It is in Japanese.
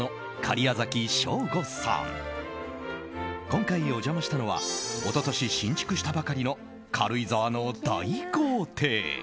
今回お邪魔したのは一昨年、新築したばかりの軽井沢の大豪邸。